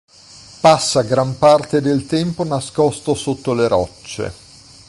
Passa gran parte del tempo nascosto sotto le rocce.